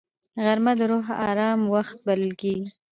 غرمه د روح آرام وخت بلل کېږي